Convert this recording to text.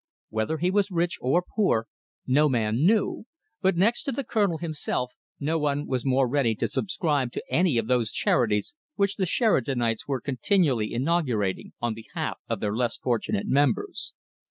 Whether he was rich or poor no man knew, but next to the Colonel himself, no one was more ready to subscribe to any of those charities which the Sheridanites were continually inaugurating on behalf of their less fortunate members.